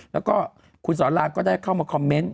แล้วก็คุณสอนรามก็ได้เข้ามาคอมเมนต์